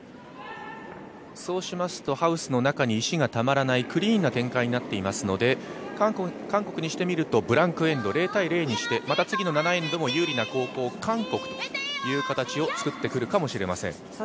そうしますと、ハウスの中に石がたまらないクリーンな展開になっていますので韓国にしてみますとブランク・エンド、０−０にして、また次の７エンドも有利な後攻・韓国という形を作ってくるかもしれません。